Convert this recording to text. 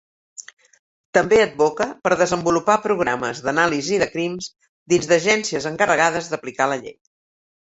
També advoca per desenvolupar programes d'anàlisi de crims dins d'agències encarregades d'aplicar la llei.